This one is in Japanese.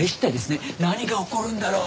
何が起こるんだろう。